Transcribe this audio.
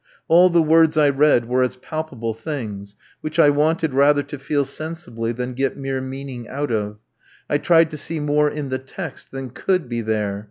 All the words I read were as palpable things, which I wanted rather to feel sensibly than get mere meaning out of; I tried to see more in the text than could be there.